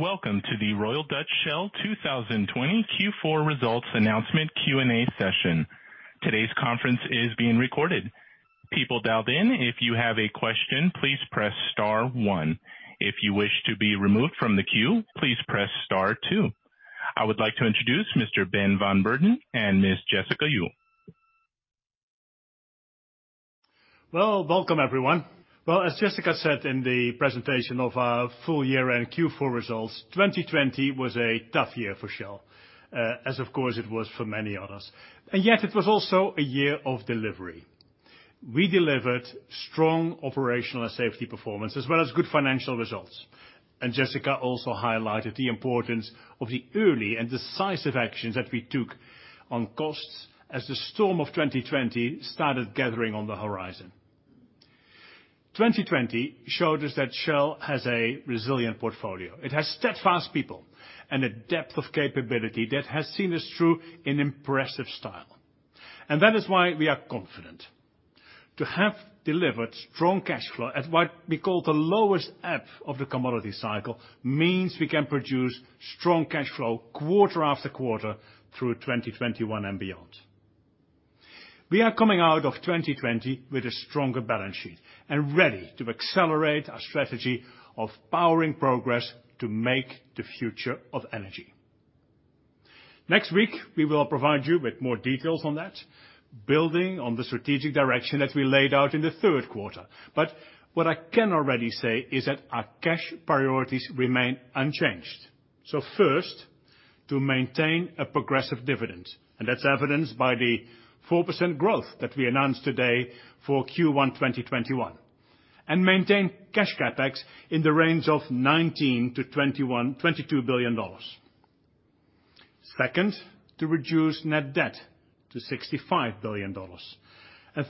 Welcome to the Royal Dutch Shell 2020 Q4 results announcement Q&A session. Today's conference is being recorded. People dialed in, if you have a question, please press star one. If you wish to be removed from the queue, please press star two. I would like to introduce Mr. Ben van Beurden and Ms. Jessica Uhl. Well, welcome everyone. Well, as Jessica said in the presentation of our full year-end Q4 results, 2020 was a tough year for Shell. As of course it was for many others. Yet it was also a year of delivery. We delivered strong operational and safety performance, as well as good financial results. Jessica also highlighted the importance of the early and decisive actions that we took on costs as the storm of 2020 started gathering on the horizon. 2020 showed us that Shell has a resilient portfolio. It has steadfast people, and a depth of capability that has seen us through in impressive style. That is why we are confident. To have delivered strong cashflow at what we call the lowest ebb of the commodity cycle means we can produce strong cashflow quarter-after-quarter through 2021 and beyond. We are coming out of 2020 with a stronger balance sheet and ready to accelerate our strategy of powering progress to make the future of energy. Next week, we will provide you with more details on that, building on the strategic direction that we laid out in the third quarter. What I can already say is that our cash priorities remain unchanged. First, to maintain a progressive dividend, and that's evidenced by the 4% growth that we announced today for Q1 2021. Maintain cash CapEx in the range of $19 billion-$22 billion. Second, to reduce net debt to $65 billion.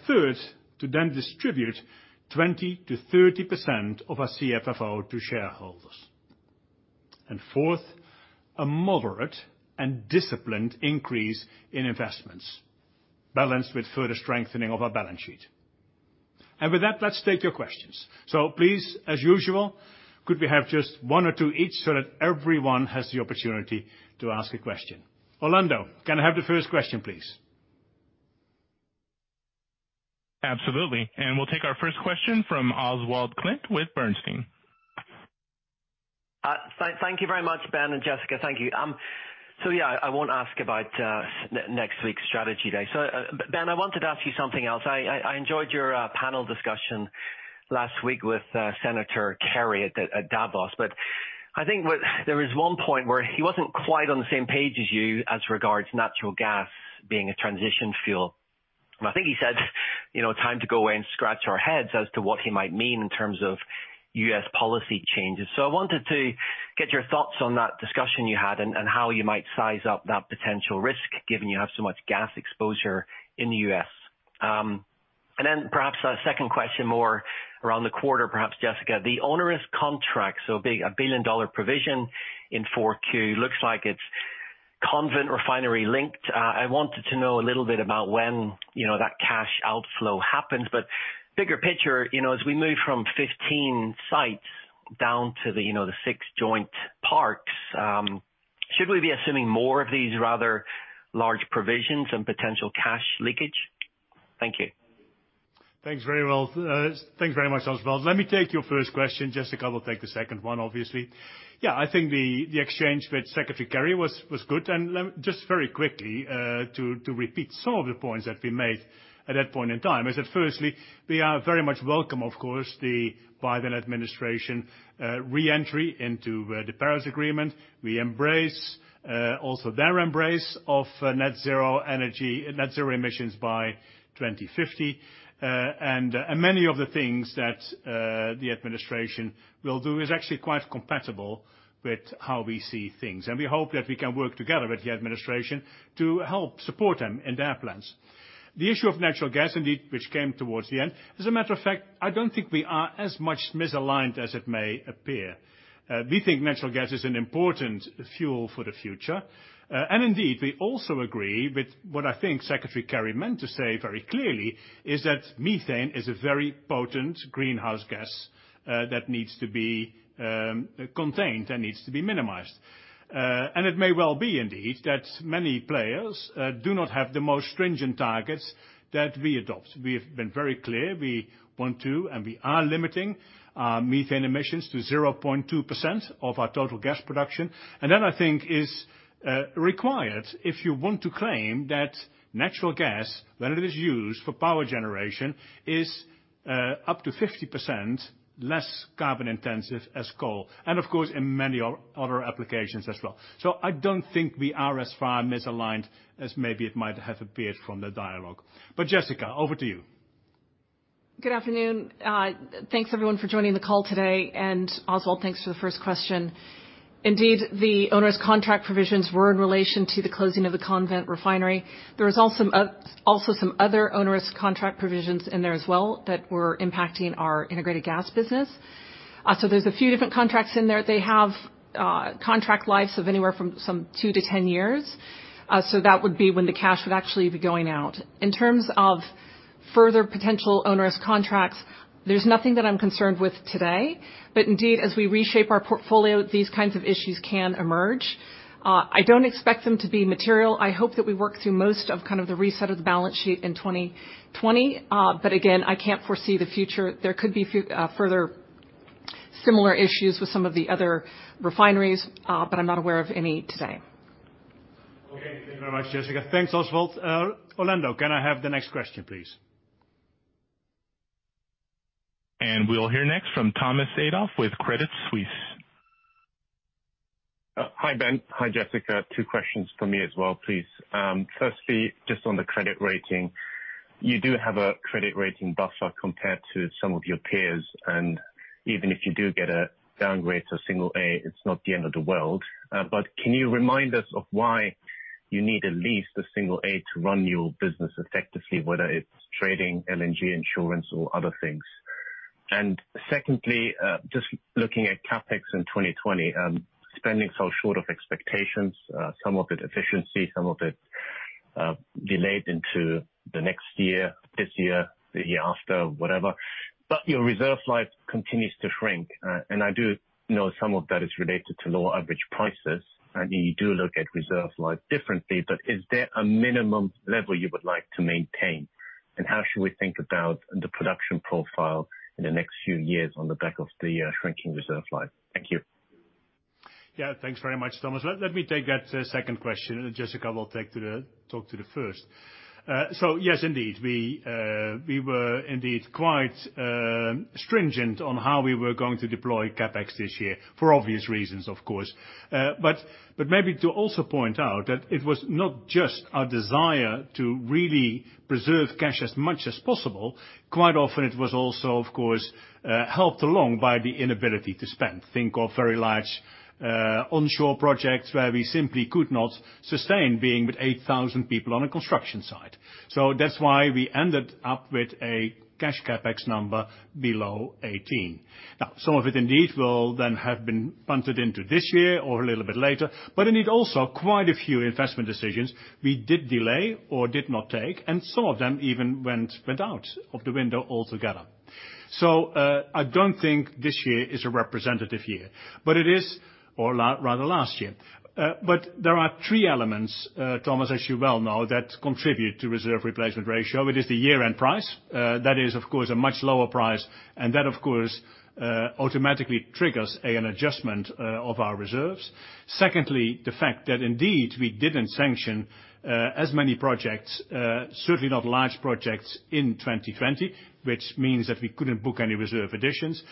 Third, to distribute 20%-30% of our CFFO to shareholders. Fourth, a moderate and disciplined increase in investments balanced with further strengthening of our balance sheet. With that, let's take your questions. Please, as usual, could we have just one or two each so that everyone has the opportunity to ask a question? Orlando, can I have the first question, please? Absolutely. We'll take our first question from Oswald Clint with Bernstein. Thank you very much, Ben and Jessica. Thank you. Yeah, I won't ask about next week's strategy day. Ben, I wanted to ask you something else. I enjoyed your panel discussion last week with Senator Kerry at Davos, but I think there was one point where he wasn't quite on the same page as you as regards natural gas being a transition fuel. I think he said, time to go away and scratch our heads as to what he might mean in terms of U.S. policy changes. I wanted to get your thoughts on that discussion you had and how you might size up that potential risk, given you have so much gas exposure in the U.S. Perhaps a second question more around the quarter, perhaps Jessica, the onerous contract. A billion-dollar provision in 4Q looks like it's Convent Refinery linked. I wanted to know a little bit about when that cash outflow happens, but bigger picture, as we move from 15 sites down to the six joint parks, should we be assuming more of these rather large provisions and potential cash leakage? Thank you. Thanks very much, Oswald. Let me take your first question. Jessica will take the second one, obviously. Yeah, I think the exchange with Secretary Kerry was good. Just very quickly, to repeat some of the points that we made at that point in time is that firstly, we very much welcome, of course, the Biden administration re-entry into the Paris Agreement. We embrace also their embrace of net zero emissions by 2050. Many of the things that the administration will do is actually quite compatible with how we see things. We hope that we can work together with the administration to help support them in their plans. The issue of natural gas, indeed, which came towards the end, as a matter of fact, I don't think we are as misaligned as it may appear. We think natural gas is an important fuel for the future. Indeed, we also agree with what I think Senator Kerry meant to say very clearly is that methane is a very potent greenhouse gas that needs to be contained and needs to be minimized. It may well be indeed that many players do not have the most stringent targets that we adopt. We have been very clear, we want to, and we are limiting our methane emissions to 0.2% of our total gas production. That I think is required if you want to claim that natural gas, when it is used for power generation, is up to 50% less carbon intensive as coal. Of course, in many other applications as well. I don't think we are as far misaligned as maybe it might have appeared from the dialogue. Jessica, over to you. Good afternoon. Thanks, everyone, for joining the call today. Oswald, thanks for the first question. Indeed, the onerous contract provisions were in relation to the closing of the Convent Refinery. There was also some other onerous contract provisions in there as well that were impacting our integrated gas business. There's a few different contracts in there. They have contract lives of anywhere from some 2-10 years. That would be when the cash would actually be going out. In terms of further potential onerous contracts, there's nothing that I'm concerned with today. Indeed, as we Reshape our portfolio, these kinds of issues can emerge. I don't expect them to be material. I hope that we work through most of the reset of the balance sheet in 2020. Again, I can't foresee the future. There could be further similar issues with some of the other refineries, but I'm not aware of any today. Okay. Thank you very much, Jessica. Thanks, Oswald. Orlando, can I have the next question, please? We'll hear next from Thomas Adolff with Credit Suisse. Hi, Ben. Hi, Jessica. Two questions from me as well, please. Firstly, just on the credit rating, you do have a credit rating buffer compared to some of your peers, and even if you do get a downgrade to a single A, it's not the end of the world. Can you remind us of why you need at least a single A to run your business effectively, whether it's trading, LNG, insurance, or other things? Secondly, just looking at CapEx in 2020, spending fell short of expectations, some of it efficiency, some of it delayed into the next year, this year, the year after, whatever. Your reserve life continues to shrink. I do know some of that is related to lower average prices, you do look at reserve life differently, is there a minimum level you would like to maintain? How should we think about the production profile in the next few years on the back of the shrinking reserve life? Thank you. Yeah. Thanks very much, Thomas. Let me take that second question. Jessica will talk to the first. Yes, indeed. We were indeed quite stringent on how we were going to deploy CapEx this year, for obvious reasons, of course. Maybe to also point out that it was not just a desire to really preserve cash as much as possible. Quite often it was also, of course, helped along by the inability to spend. Think of very large onshore projects where we simply could not sustain being with 8,000 people on a construction site. That's why we ended up with a cash CapEx number below 18. Now, some of it indeed will then have been punted into this year or a little bit later. Indeed also quite a few investment decisions we did delay or did not take, and some of them even went out of the window altogether. I don't think this year is a representative year, or rather last year. There are three elements, Thomas, as you well know, that contribute to reserve replacement ratio. It is the year-end price. That is, of course, a much lower price, and that, of course, automatically triggers an adjustment of our reserves. Secondly, the fact that indeed we didn't sanction as many projects, certainly not large projects, in 2020, which means that we couldn't book any reserve additions.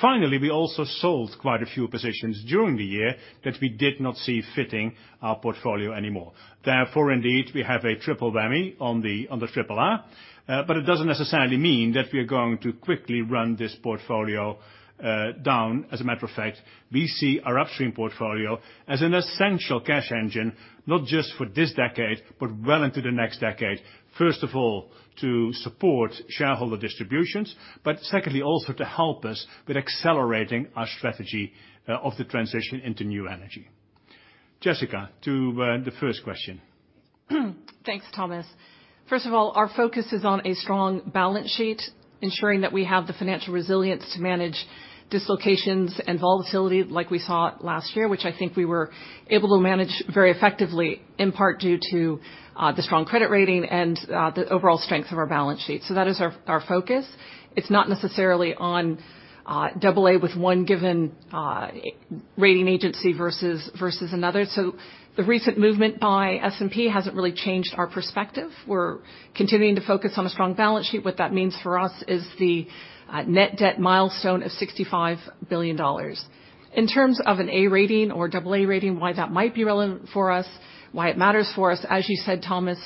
Finally, we also sold quite a few positions during the year that we did not see fitting our portfolio anymore. Therefore, indeed, we have a triple whammy on the RRR. It doesn't necessarily mean that we are going to quickly run this portfolio down. As a matter of fact, we see our upstream portfolio as an essential cash engine, not just for this decade, but well into the next decade. First of all, to support shareholder distributions, but secondly, also to help us with accelerating our strategy of the transition into new energy. Jessica, to the first question. Thanks, Thomas. Our focus is on a strong balance sheet, ensuring that we have the financial resilience to manage dislocations and volatility like we saw last year, which I think we were able to manage very effectively, in part due to the strong credit rating and the overall strength of our balance sheet. That is our focus. It's not necessarily on double A with one given rating agency versus another. The recent movement by S&P hasn't really changed our perspective. We're continuing to focus on a strong balance sheet. What that means for us is the net debt milestone of $65 billion. In terms of an A rating or double A rating, why that might be relevant for us, why it matters for us, as you said, Thomas,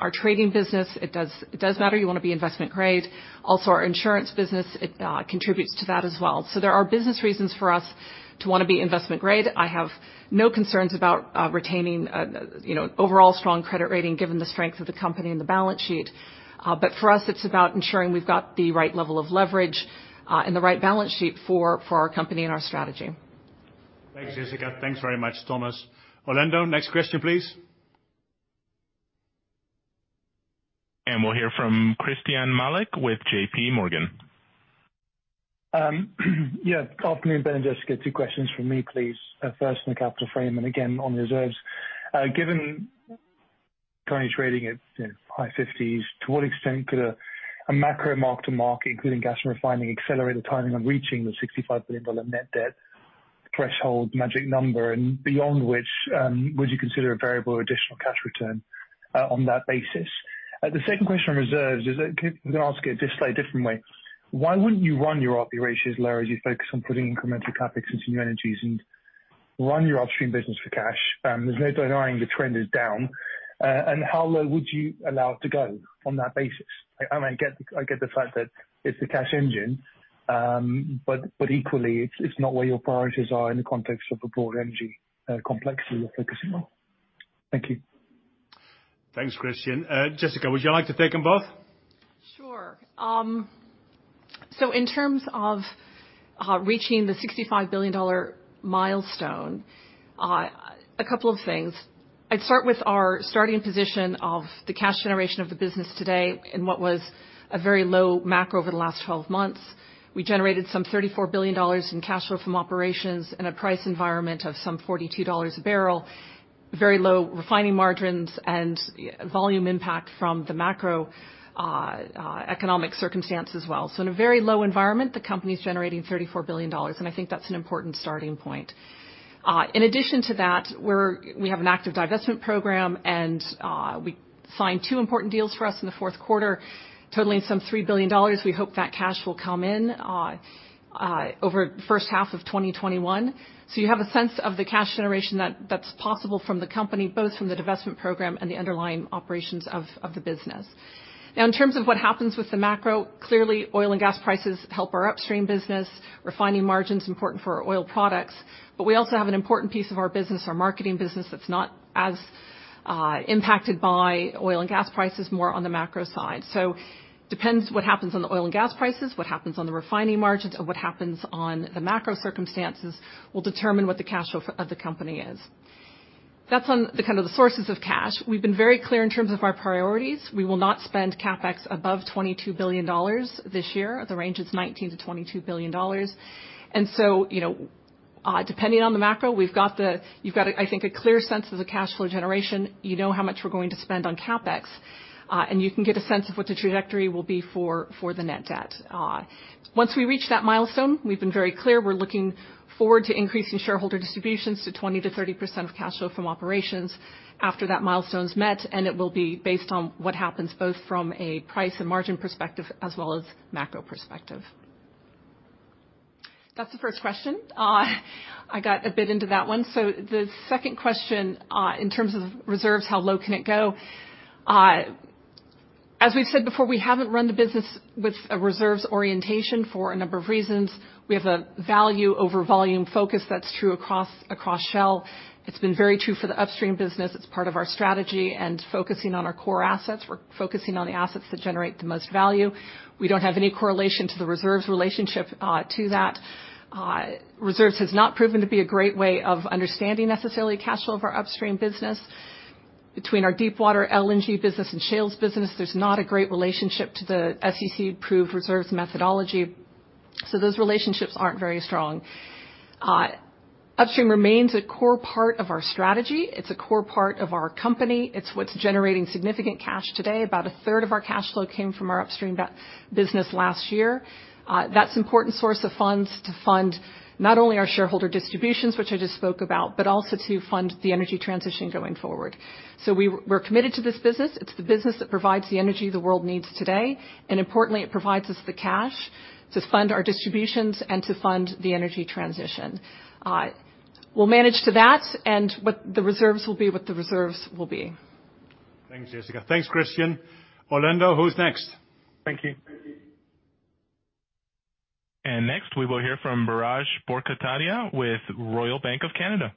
our trading business, it does matter. You want to be investment grade. Our insurance business, it contributes to that as well. There are business reasons for us to want to be investment grade. I have no concerns about retaining an overall strong credit rating given the strength of the company and the balance sheet. For us, it's about ensuring we've got the right level of leverage and the right balance sheet for our company and our strategy. Thanks, Jessica. Thanks very much, Thomas. Orlando, next question, please. We'll hear from Christyan Malek with JPMorgan. Afternoon, Ben and Jessica. Two questions from me, please. First, on the capital frame. Again on reserves, given currently trading at high $50s, to what extent could a macro mark to market, including gas and refining, accelerate the timing on reaching the $65 billion net debt threshold magic number? Beyond which, would you consider a variable or additional cash return on that basis? The second question on reserves is, I'm going to ask it just a slightly different way. Why wouldn't you run your RP ratios low as you focus on putting incremental CapEx into new energies and run your upstream business for cash? There's no denying the trend is down. How low would you allow it to go on that basis? I get the fact that it's the cash engine, but equally, it's not where your priorities are in the context of the broad energy complexity you're focusing on. Thank you. Thanks, Christyan. Jessica, would you like to take them both? Sure. In terms of reaching the $65 billion milestone, a couple of things. I'd start with our starting position of the cash generation of the business today in what was a very low macro over the last 12 months. We generated some $34 billion in cash flow from operations in a price environment of some $42 a barrel, very low refining margins and volume impact from the macroeconomic circumstance as well. In a very low environment, the company's generating $34 billion, and I think that's an important starting point. In addition to that, we have an active divestment program, and we signed two important deals for us in the fourth quarter, totaling some $3 billion. We hope that cash will come in over the first half of 2021. You have a sense of the cash generation that's possible from the company, both from the divestment program and the underlying operations of the business. In terms of what happens with the macro, clearly oil and gas prices help our upstream business. Refining margin's important for our oil products. We also have an important piece of our business, our marketing business, that's not as impacted by oil and gas prices, more on the macro side. Depends what happens on the oil and gas prices, what happens on the refining margins, and what happens on the macro circumstances, will determine what the cash flow of the company is. That's on the sources of cash. We've been very clear in terms of our priorities. We will not spend CapEx above $22 billion this year. The range is $19 billion-$22 billion. Depending on the macro, you've got, I think, a clear sense of the cash flow generation. You know how much we're going to spend on CapEx. You can get a sense of what the trajectory will be for the net debt. Once we reach that milestone, we've been very clear, we're looking forward to increasing shareholder distributions to 20%-30% of cash flow from operations after that milestone's met, and it will be based on what happens both from a price and margin perspective as well as macro perspective. That's the first question. I got a bit into that one. The second question, in terms of reserves, how low can it go? As we've said before, we haven't run the business with a reserves orientation for a number of reasons. We have a value over volume focus that's true across Shell. It's been very true for the Upstream business. It's part of our strategy and focusing on our core assets. We're focusing on the assets that generate the most value. We don't have any correlation to the reserves relationship to that. Reserves has not proven to be a great way of understanding necessarily cash flow of our Upstream business. Between our deep water LNG business and Shales business, there's not a great relationship to the SEC-approved reserves methodology. Those relationships aren't very strong. Upstream remains a core part of our strategy. It's a core part of our company. It's what's generating significant cash today. About a third of our cash flow came from our Upstream business last year. That's important source of funds to fund not only our shareholder distributions, which I just spoke about, but also to fund the energy transition going forward. We're committed to this business. It's the business that provides the energy the world needs today. Importantly, it provides us the cash to fund our distributions and to fund the energy transition. We'll manage to that and the reserves will be what the reserves will be. Thanks, Jessica. Thanks, Christyan. Orlando, who's next? Thank you. Next, we will hear from Biraj Borkhataria with Royal Bank of Canada.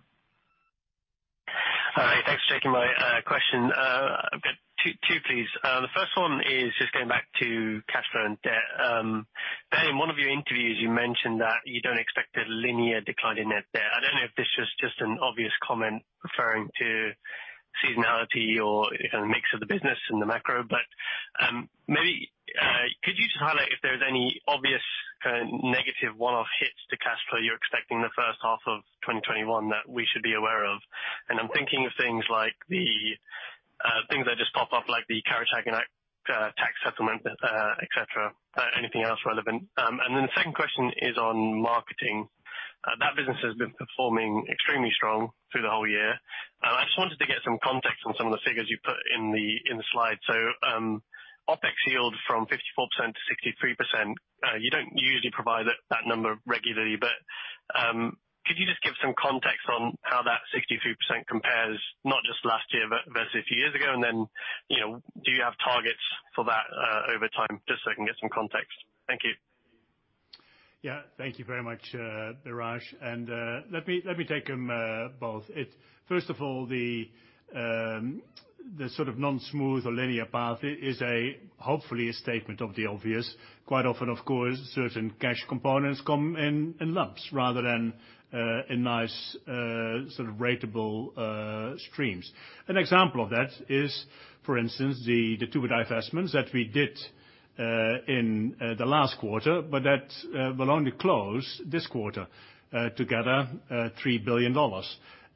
Hi. Thanks for taking my question. I've got two, please. The first one is just going back to cash flow and debt. Ben, in one of your interviews, you mentioned that you don't expect a linear decline in net debt. I don't know if this was just an obvious comment referring to seasonality or mix of the business and the macro, but could you just highlight if there's any obvious negative one-off hits to cash flow you're expecting the first half of 2021 that we should be aware of? I'm thinking of things that just pop up, like the carriage tax settlement, et cetera. Anything else relevant? The second question is on marketing. That business has been performing extremely strong through the whole year. I just wanted to get some context on some of the figures you put in the slide. OpEx yield from 54%-63%. You don't usually provide that number regularly, could you just give some context on how that 63% compares not just last year, but versus a few years ago? Do you have targets for that over time? Just so I can get some context. Thank you. Thank you very much, Biraj. Let me take them both. First of all, the sort of non-smooth or linear path is hopefully a statement of the obvious. Quite often, of course, certain cash components come in lumps rather than in nice sort of ratable streams. An example of that is, for instance, the two divestments that we did in the last quarter, but that will only close this quarter. Together, $3 billion.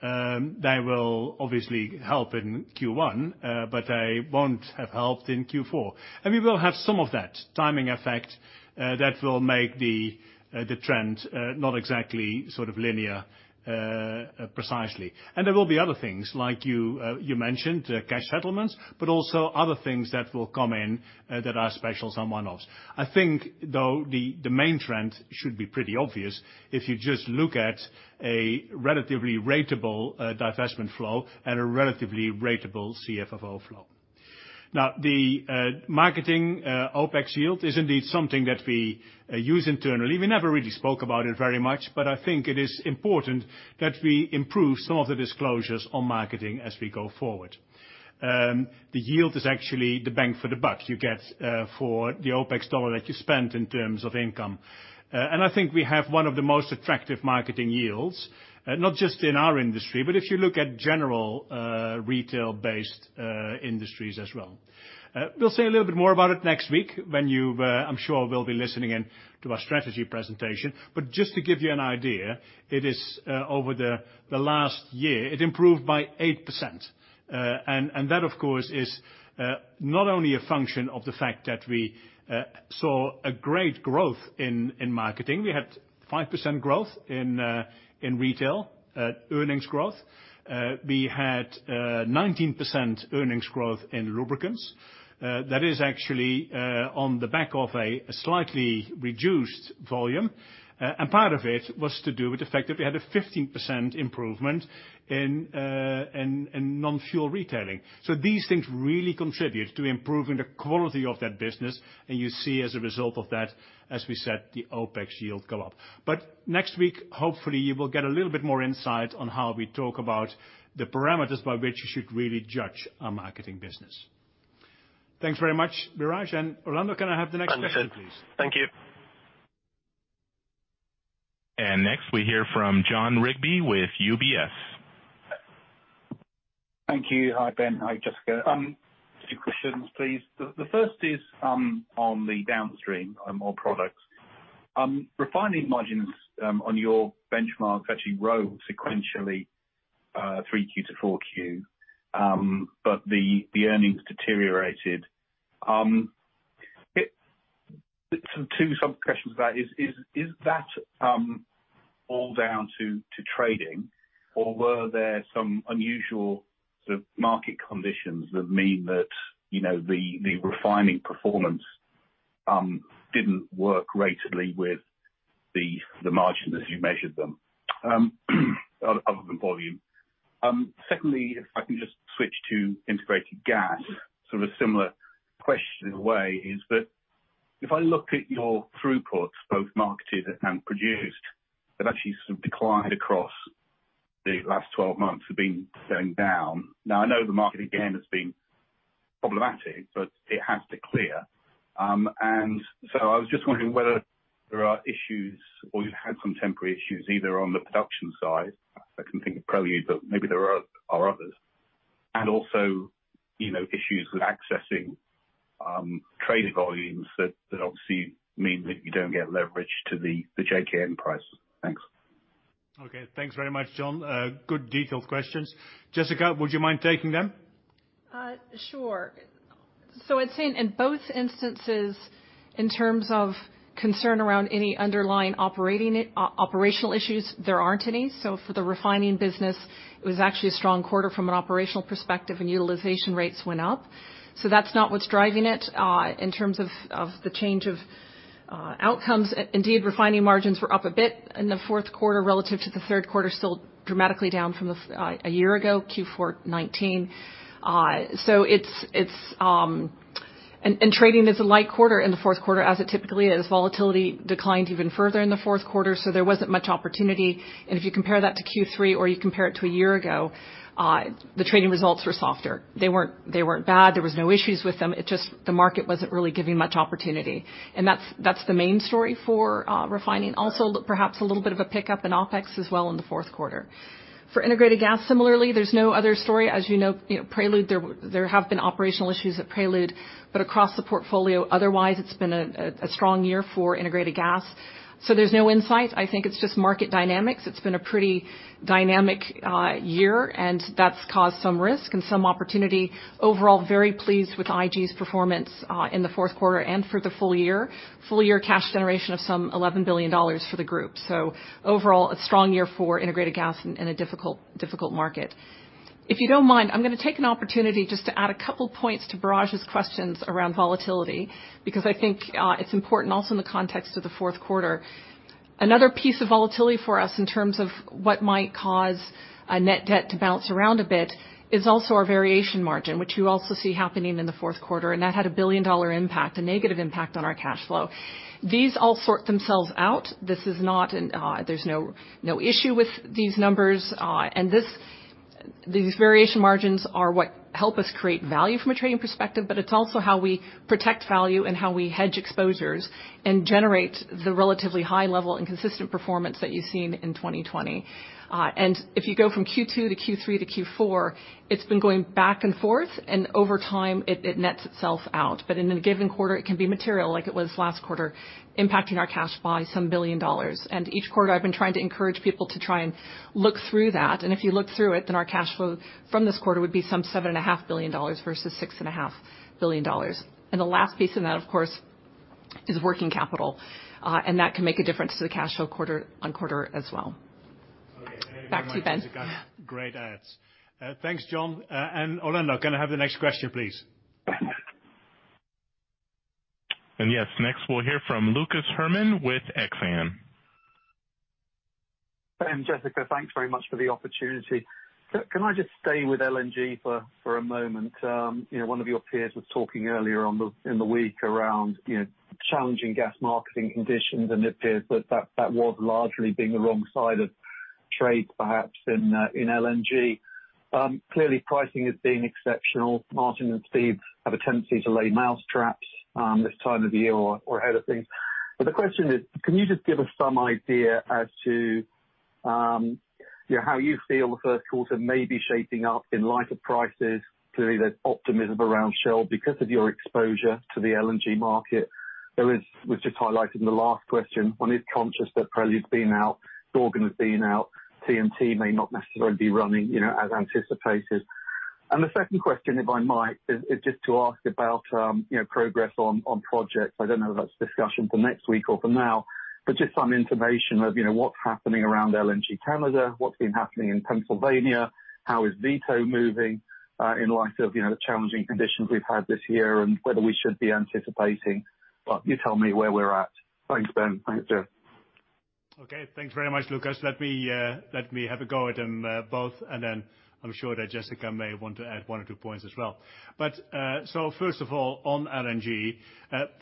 They will obviously help in Q1, but they won't have helped in Q4. We will have some of that timing effect that will make the trend not exactly sort of linear precisely. There will be other things, like you mentioned, cash settlements, but also other things that will come in that are special, some one-offs. I think, though, the main trend should be pretty obvious if you just look at a relatively ratable divestment flow and a relatively ratable CFFO flow. The marketing OpEx yield is indeed something that we use internally. We never really spoke about it very much, but I think it is important that we improve some of the disclosures on marketing as we go forward. The yield is actually the bang for the buck you get for the OpEx dollar that you spend in terms of income. I think we have one of the most attractive marketing yields, not just in our industry, but if you look at general retail-based industries as well. We'll say a little bit more about it next week when you, I'm sure, will be listening in to our strategy presentation. Just to give you an idea, it is over the last year, it improved by 8%. That of course, is not only a function of the fact that we saw a great growth in marketing. We had 5% growth in retail, earnings growth. We had 19% earnings growth in lubricants. That is actually on the back of a slightly reduced volume. Part of it was to do with the fact that we had a 15% improvement in non-fuel retailing. These things really contribute to improving the quality of that business. You see as a result of that, as we said, the OpEx yield go up. Next week, hopefully, you will get a little bit more insight on how we talk about the parameters by which you should really judge our marketing business. Thanks very much, Biraj, and Orlando, can I have the next question, please? Understood. Thank you. Next we hear from Jon Rigby with UBS. Thank you. Hi, Ben. Hi, Jessica. Two questions, please. The first is on the downstream oil products. Refining margins on your benchmarks actually rose sequentially Q3 to Q4, the earnings deteriorated. Two sub questions to that is that all down to trading or were there some unusual sort of market conditions that mean that the refining performance didn't work rateably with the margins as you measured them other than volume? Secondly, if I can just switch to integrated gas, sort of similar question in a way is that if I look at your throughputs, both marketed and produced, they've actually sort of declined across the last 12 months have been going down. I know the market again has been problematic, it has to clear. I was just wondering whether there are issues or you've had some temporary issues either on the production side, I can think of Prelude, but maybe there are others. Also issues with accessing trading volumes that obviously mean that you don't get leverage to the JKM prices. Thanks. Okay. Thanks very much, Jon. Good detailed questions. Jessica, would you mind taking them? Sure. I'd say in both instances in terms of concern around any underlying operational issues, there aren't any. For the refining business, it was actually a strong quarter from an operational perspective and utilization rates went up. That's not what's driving it. In terms of the change of outcomes, indeed, refining margins were up a bit in the fourth quarter relative to the third quarter, still dramatically down from a year ago, Q4 2019. Trading is a light quarter in the fourth quarter as it typically is. Volatility declined even further in the fourth quarter, so there wasn't much opportunity. If you compare that to Q3 or you compare it to a year ago, the trading results were softer. They weren't bad, there was no issues with them, it just the market wasn't really giving much opportunity. That's the main story for refining. Perhaps a little bit of a pickup in OpEx as well in the fourth quarter. For integrated gas, similarly, there's no other story. As you know, Prelude, there have been operational issues at Prelude, across the portfolio, otherwise, it's been a strong year for integrated gas. There's no insight. I think it's just market dynamics. It's been a pretty dynamic year and that's caused some risk and some opportunity. Overall, very pleased with IG's performance in the fourth quarter and for the full year. Full year cash generation of some $11 billion for the group. Overall, a strong year for integrated gas in a difficult market. If you don't mind, I'm going to take an opportunity just to add a couple points to Biraj's questions around volatility, because I think it's important also in the context of the fourth quarter. Another piece of volatility for us in terms of what might cause a net debt to bounce around a bit is also our variation margin, which you also see happening in the fourth quarter, and that had a billion-dollar impact, a negative impact on our cash flow. These all sort themselves out. There's no issue with these numbers. These variation margins are what help us create value from a trading perspective, but it's also how we protect value and how we hedge exposures and generate the relatively high level and consistent performance that you've seen in 2020. If you go from Q2 to Q3 to Q4, it's been going back and forth, and over time it nets itself out. In a given quarter it can be material like it was last quarter, impacting our cash by some billion dollars. Each quarter I've been trying to encourage people to try and look through that. If you look through it, then our cash flow from this quarter would be some $7.5 billion versus $6.5 billion. The last piece in that, of course, is working capital. That can make a difference to the cash flow quarter-on-quarter as well. Okay. Back to you, Ben. Thanks very much, Jessica. Great adds. Thanks, Jon. Orlando, can I have the next question, please? Yes, next we'll hear from Lucas Herrmann with Exane. Ben, Jessica, thanks very much for the opportunity. Can I just stay with LNG for a moment? One of your peers was talking earlier in the week around challenging gas marketing conditions, and it appears that was largely being the wrong side of trades perhaps in LNG. Clearly pricing has been exceptional. Maarten and Steve have a tendency to lay mousetraps this time of year or ahead of things. The question is, can you just give us some idea as to how you feel the first quarter may be shaping up in light of prices? Clearly, there's optimism around Shell because of your exposure to the LNG market. There was just highlighted in the last question, one is conscious that Prelude's been out, Gorgon has been out, T&T may not necessarily be running as anticipated. The second question, if I might, is just to ask about progress on projects. I don't know if that's a discussion for next week or for now, just some information of what's happening around LNG Canada, what's been happening in Pennsylvania, how is Vito moving, in light of the challenging conditions we've had this year, and whether we should be anticipating. You tell me where we're at. Thanks, Ben. Thanks, Jessica. Okay. Thanks very much, Lucas. Let me have a go at them both, then I'm sure that Jessica may want to add one or two points as well. First of all, on LNG,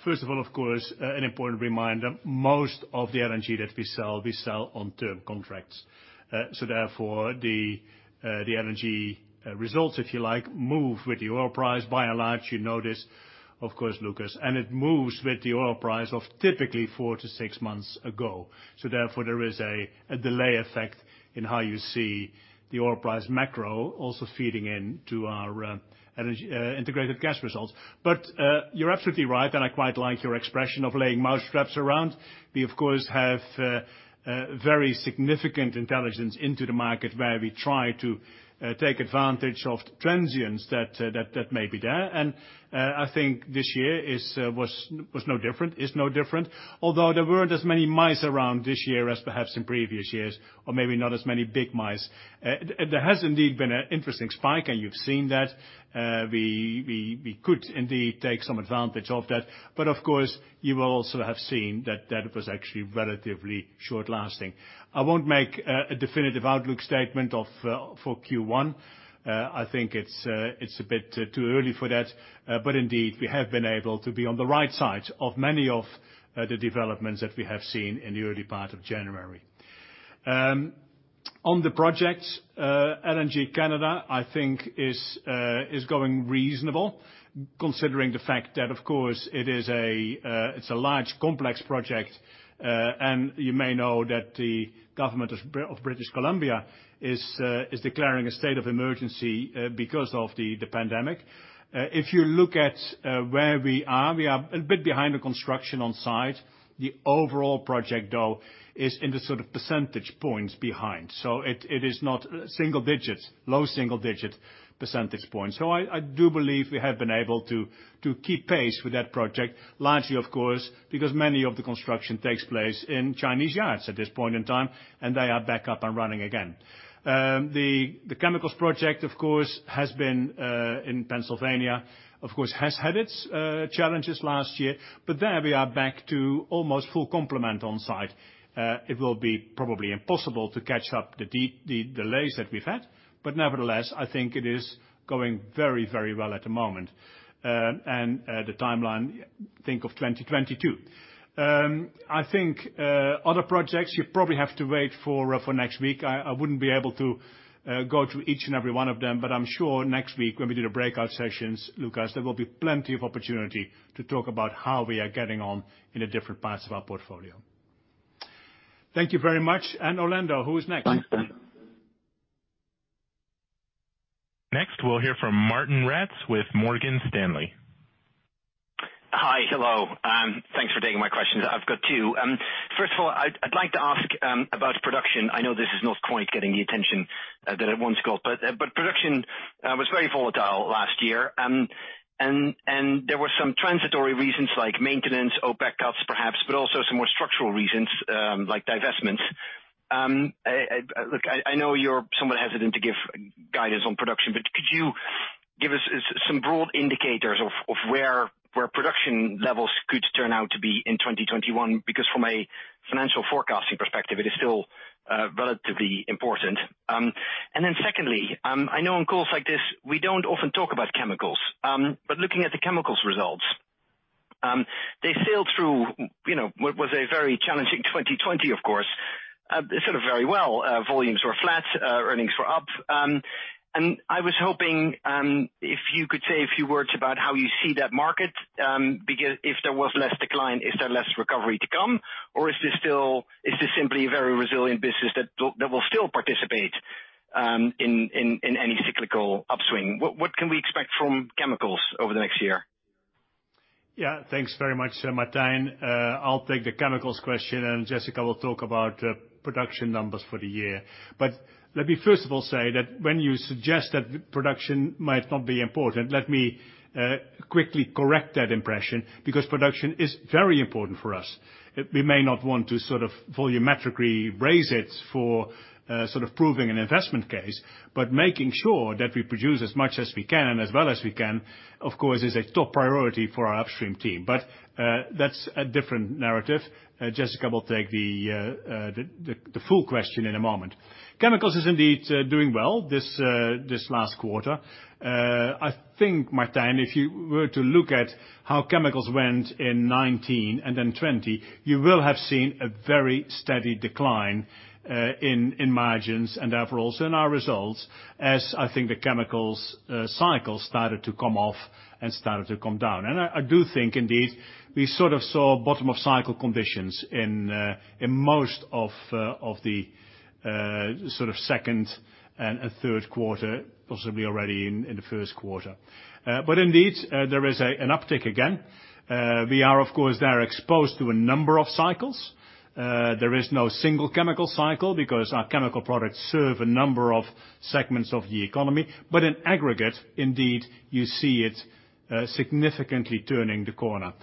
first of all, of course, an important reminder, most of the LNG that we sell, we sell on term contracts. Therefore, the LNG results, if you like, move with the oil price by and large. You know this, of course, Lucas. It moves with the oil price of typically four to six months ago. Therefore, there is a delay effect in how you see the oil price macro also feeding into our integrated gas results. You're absolutely right, and I quite like your expression of laying mouse traps around. We, of course, have very significant intelligence into the market where we try to take advantage of transients that may be there. I think this year is no different. Although there weren't as many mice around this year as perhaps in previous years, or maybe not as many big mice. There has indeed been an interesting spike, and you've seen that. We could indeed take some advantage of that. Of course, you will also have seen that was actually relatively short-lasting. I won't make a definitive outlook statement for Q1. I think it's a bit too early for that. Indeed, we have been able to be on the right side of many of the developments that we have seen in the early part of January. On the projects, LNG Canada, I think is going reasonable, considering the fact that, of course, it's a large complex project. You may know that the government of British Columbia is declaring a state of emergency because of the pandemic. If you look at where we are, we are a bit behind the construction on site. The overall project, though, is in the percentage points behind. It is not single digits, low single-digit percentage points. I do believe we have been able to keep pace with that project, largely of course, because many of the construction takes place in Chinese yards at this point in time, and they are back up and running again. The chemicals project, of course, has been in Pennsylvania, of course, has had its challenges last year. There we are back to almost full complement on-site. It will be probably impossible to catch up the delays that we've had. Nevertheless, I think it is going very well at the moment. The timeline, think of 2022. I think other projects you probably have to wait for next week. I wouldn't be able to go through each and every one of them, but I'm sure next week when we do the breakout sessions, Lucas, there will be plenty of opportunity to talk about how we are getting on in the different parts of our portfolio. Thank you very much. Orlando, who is next? Thanks, Ben. Next, we'll hear from Martijn Rats with Morgan Stanley. Hi. Hello. Thanks for taking my questions. I've got two. First of all, I'd like to ask about production. I know this is not quite getting the attention that it once got, but production was very volatile last year. There were some transitory reasons like maintenance, OPEC cuts perhaps, but also some more structural reasons like divestments. Look, I know you're somewhat hesitant to give guidance on production, but could you give us some broad indicators of where production levels could turn out to be in 2021? Because from a financial forecasting perspective, it is still relatively important. Secondly, I know on calls like this, we don't often talk about chemicals. Looking at the chemicals results, they sailed through what was a very challenging 2020, of course, very well. Volumes were flat, earnings were up. I was hoping if you could say a few words about how you see that market, if there was less decline, is there less recovery to come? Or is this simply a very resilient business that will still participate in any cyclical upswing? What can we expect from chemicals over the next year? Yeah. Thanks very much, Martijn. I'll take the Chemicals question, and Jessica will talk about production numbers for the year. Let me first of all say that when you suggest that production might not be important, let me quickly correct that impression, because production is very important for us. We may not want to volumetrically raise it for proving an investment case, but making sure that we produce as much as we can and as well as we can, of course, is a top priority for our Upstream team. That's a different narrative. Jessica will take the full question in a moment. Chemicals is indeed doing well this last quarter. I think, Martijn, if you were to look at how chemicals went in 2019 and then 2020, you will have seen a very steady decline in margins and therefore also in our results as I think the chemicals cycle started to come off and started to come down. I do think indeed, we sort of saw bottom of cycle conditions in most of the second and third quarter, possibly already in the first quarter. Indeed, there is an uptick again. We are, of course, there exposed to a number of cycles. There is no single chemical cycle because our chemical products serve a number of segments of the economy. In aggregate, indeed, you see it significantly turning the corner.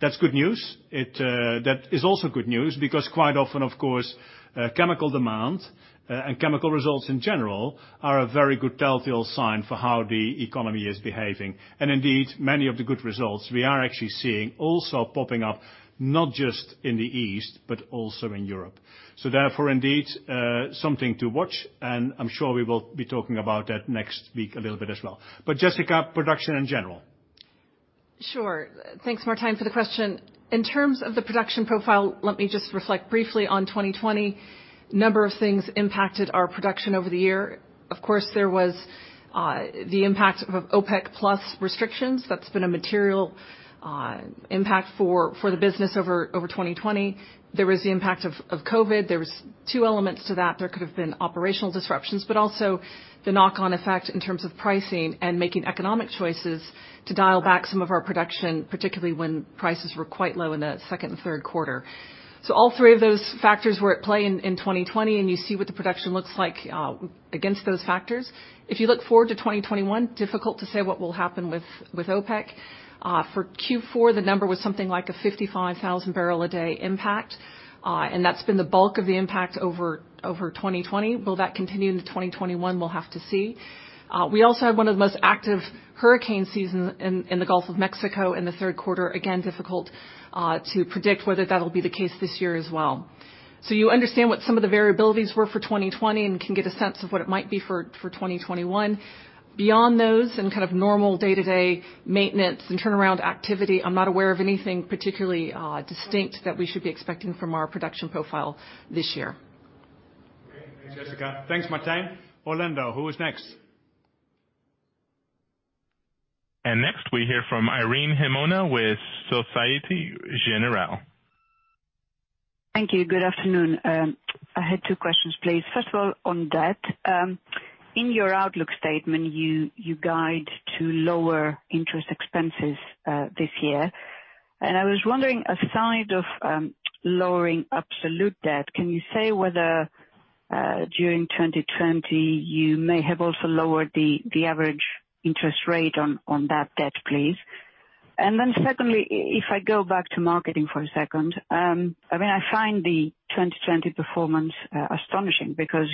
That's good news. That is also good news because quite often, of course, chemical demand and chemical results in general are a very good telltale sign for how the economy is behaving. Indeed, many of the good results we are actually seeing also popping up, not just in the East, but also in Europe. Therefore, indeed, something to watch, and I'm sure we will be talking about that next week a little bit as well. Jessica, production in general. Sure. Thanks, Martijn for the question. In terms of the production profile, let me just reflect briefly on 2020. A number of things impacted our production over the year. Of course, there was the impact of OPEC+ restrictions. That's been a material impact for the business over 2020. There was the impact of COVID. There was two elements to that. Also the knock-on effect in terms of pricing and making economic choices to dial back some of our production, particularly when prices were quite low in the second and third quarter. All three of those factors were at play in 2020, and you see what the production looks like against those factors. If you look forward to 2021, difficult to say what will happen with OPEC. For Q4, the number was something like a 55,000 bpd impact. That's been the bulk of the impact over 2020. Will that continue into 2021? We'll have to see. We also had one of the most active hurricane seasons in the Gulf of Mexico in the third quarter. Again, difficult to predict whether that'll be the case this year as well. You understand what some of the variabilities were for 2020 and can get a sense of what it might be for 2021. Beyond those and kind of normal day-to-day maintenance and turnaround activity, I'm not aware of anything particularly distinct that we should be expecting from our production profile this year. Okay. Thanks, Jessica. Thanks, Martijn. Orlando, who is next? Next we hear from Irene Himona with Societe Generale. Thank you. Good afternoon. I had two questions, please. First of all on debt. In your outlook statement, you guide to lower interest expenses this year. I was wondering, aside of lowering absolute debt, can you say whether during 2020 you may have also lowered the average interest rate on that debt, please? Secondly, if I go back to marketing for a second, I find the 2020 performance astonishing because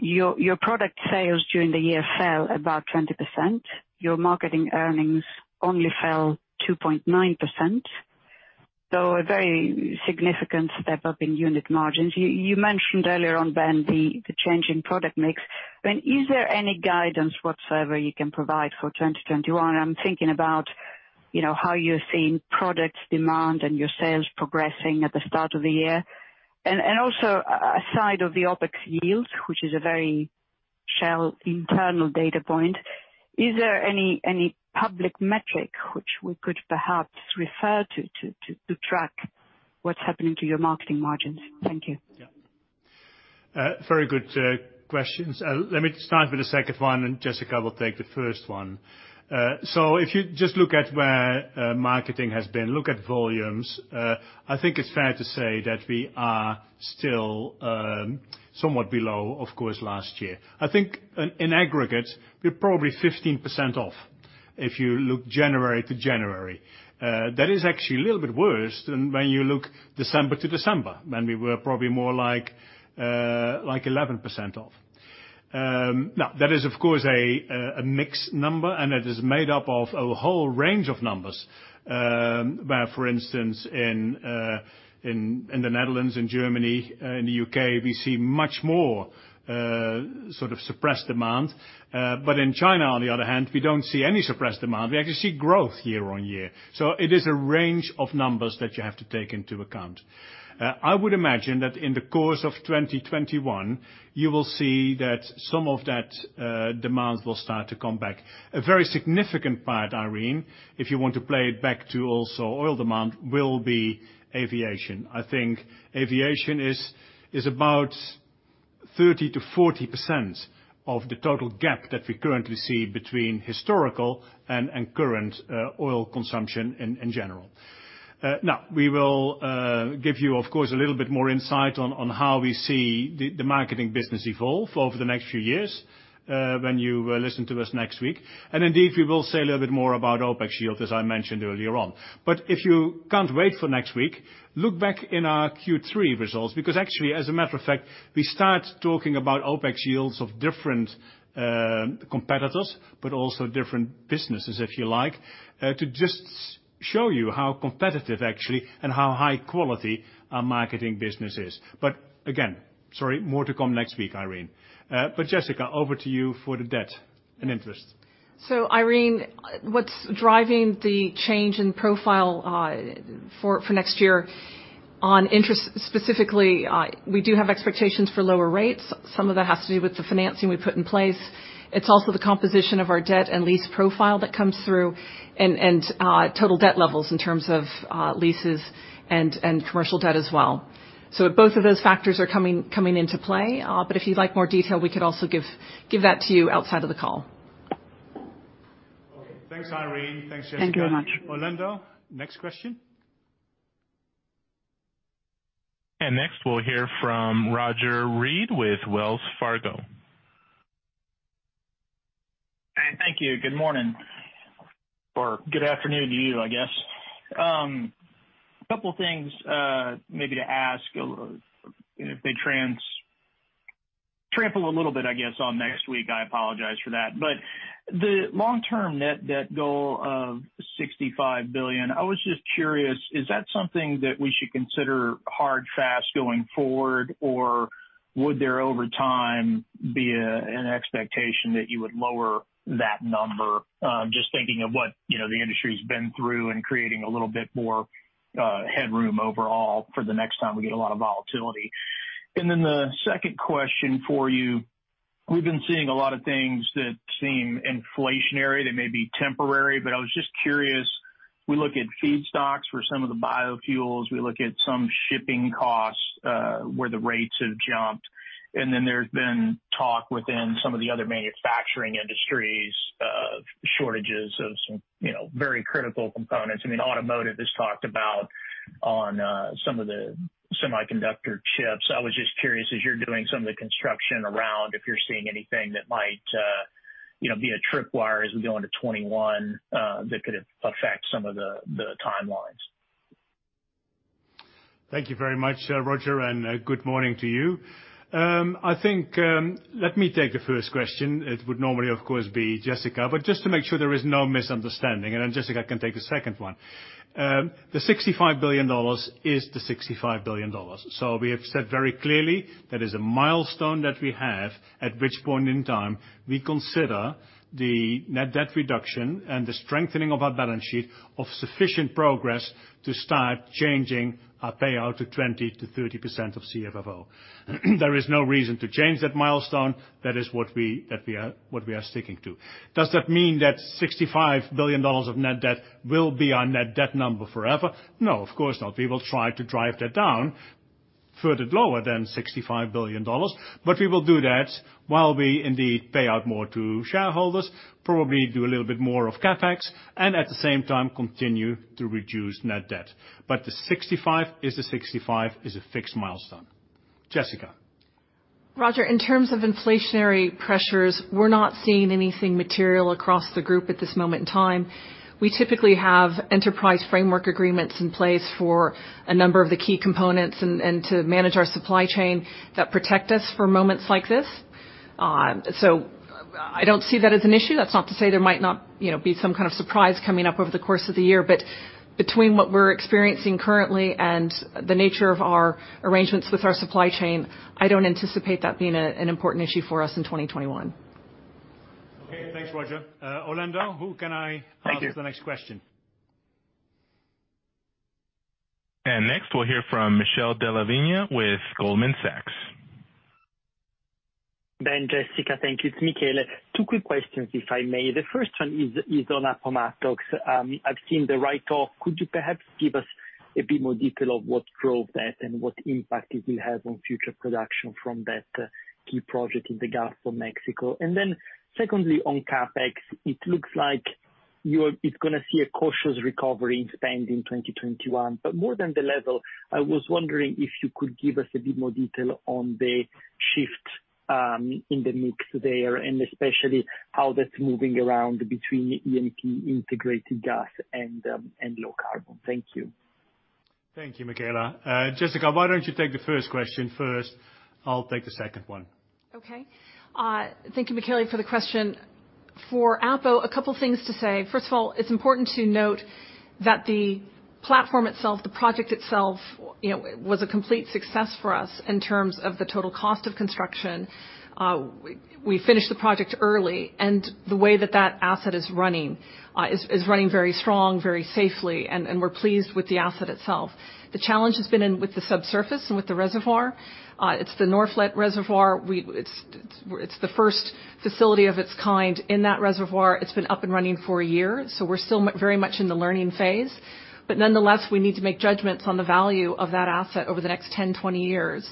your product sales during the year fell about 20%. Your marketing earnings only fell 2.9%. A very significant step up in unit margins. You mentioned earlier on, Ben, the change in product mix. Ben, is there any guidance whatsoever you can provide for 2021? I'm thinking about how you're seeing product demand and your sales progressing at the start of the year. Also aside of the OpEx yield, which is a very Shell internal data point, is there any public metric which we could perhaps refer to track what's happening to your marketing margins? Thank you. Very good questions. Let me start with the second one, and Jessica will take the first one. If you just look at where marketing has been, look at volumes, I think it's fair to say that we are still somewhat below, of course, last year. I think in aggregate, we're probably 15% off if you look January to January. That is actually a little bit worse than when you look December to December, when we were probably more like 11% off. That is, of course, a mixed number, and it is made up of a whole range of numbers, where, for instance, in the Netherlands, in Germany, in the U.K., we see much more sort of suppressed demand. In China, on the other hand, we don't see any suppressed demand. We actually see growth year-on-year. It is a range of numbers that you have to take into account. I would imagine that in the course of 2021, you will see that some of that demand will start to come back. A very significant part, Irene, if you want to play it back to also oil demand, will be aviation. I think aviation is about 30%-40% of the total gap that we currently see between historical and current oil consumption in general. We will give you, of course, a little bit more insight on how we see the marketing business evolve over the next few years when you listen to us next week. Indeed, we will say a little bit more about OpEx yield, as I mentioned earlier on. If you can't wait for next week, look back in our Q3 results, because actually, as a matter of fact, we start talking about OpEx yields of different competitors, but also different businesses, if you like, to just show you how competitive actually and how high quality our marketing business is. Again, sorry, more to come next week, Irene. Jessica, over to you for the debt and interest. Irene, what's driving the change in profile for next year on interest specifically, we do have expectations for lower rates. Some of that has to do with the financing we put in place. It's also the composition of our debt and lease profile that comes through and total debt levels in terms of leases and commercial debt as well. Both of those factors are coming into play. If you'd like more detail, we could also give that to you outside of the call. Thanks, Irene. Thanks, Jessica. Thank you very much. Orlando, next question. Next we'll hear from Roger Read with Wells Fargo. Thank you. Good morning, or good afternoon to you, I guess. Couple things maybe to ask, if they trample a little bit, I guess, on next week, I apologize for that. The long-term net debt goal of $65 billion, I was just curious, is that something that we should consider hard fast going forward? Would there, over time, be an expectation that you would lower that number? Just thinking of what the industry's been through and creating a little bit more headroom overall for the next time we get a lot of volatility. The second question for you, we've been seeing a lot of things that seem inflationary, that may be temporary, but I was just curious. We look at feedstocks for some of the biofuels. We look at some shipping costs, where the rates have jumped. There's been talk within some of the other manufacturing industries of shortages of some very critical components. Automotive has talked about on some of the semiconductor chips. I was just curious, as you're doing some of the construction around, if you're seeing anything that might be a tripwire as we go into 2021, that could affect some of the timelines. Thank you very much, Roger, and good morning to you. I think, let me take the first question. It would normally, of course, be Jessica. Just to make sure there is no misunderstanding, and then Jessica can take the second one. The $65 billion is the $65 billion. We have said very clearly that is a milestone that we have, at which point in time we consider the net debt reduction and the strengthening of our balance sheet of sufficient progress to start changing our payout to 20%-30% of CFFO. There is no reason to change that milestone. That is what we are sticking to. Does that mean that $65 billion of net debt will be our net debt number forever? No, of course not. We will try to drive that down further lower than $65 billion. We will do that while we indeed pay out more to shareholders, probably do a little bit more of CapEx, and at the same time, continue to reduce net debt. The $65 billion is the $65 billion, is a fixed milestone. Jessica? Roger, in terms of inflationary pressures, we're not seeing anything material across the group at this moment in time. We typically have enterprise framework agreements in place for a number of the key components and to manage our supply chain that protect us for moments like this. I don't see that as an issue. That's not to say there might not be some kind of surprise coming up over the course of the year, but between what we're experiencing currently and the nature of our arrangements with our supply chain, I don't anticipate that being an important issue for us in 2021. Okay. Thanks, Roger. Orlando, who can? Thank you. Pass the next question? Next, we'll hear from Michele Della Vigna with Goldman Sachs. Ben, Jessica, thank you. It's Michele. Two quick questions, if I may. The first one is on Appomattox. I've seen the write-off. Could you perhaps give us a bit more detail of what drove that and what impact it will have on future production from that key project in the Gulf of Mexico? Secondly, on CapEx, it looks like it's going to see a cautious recovery in spend in 2021. More than the level, I was wondering if you could give us a bit more detail on the shift in the mix there, and especially how that's moving around between E&P integrated gas and low carbon. Thank you. Thank you, Michele. Jessica, why don't you take the first question first? I'll take the second one. Okay. Thank you, Michele, for the question. For Appo, a couple things to say. First of all, it's important to note that the platform itself, the project itself, was a complete success for us in terms of the total cost of construction. We finished the project early, the way that that asset is running is running very strong, very safely, and we're pleased with the asset itself. The challenge has been in with the subsurface and with the reservoir. It's the Norphlet Reservoir. It's the first facility of its kind in that reservoir. It's been up and running for one year, so we're still very much in the learning phase. Nonetheless, we need to make judgments on the value of that asset over the next 10, 20 years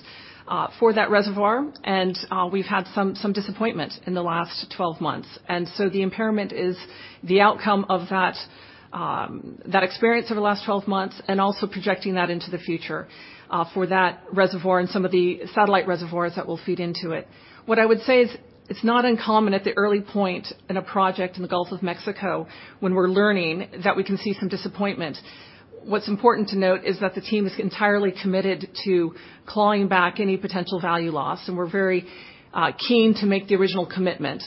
for that reservoir, and we've had some disappointment in the last 12 months. The impairment is the outcome of that experience over the last 12 months, and also projecting that into the future for that reservoir and some of the satellite reservoirs that will feed into it. What I would say is it's not uncommon at the early point in a project in the Gulf of Mexico, when we're learning, that we can see some disappointment. What's important to note is that the team is entirely committed to clawing back any potential value loss, and we're very keen to make the original commitment.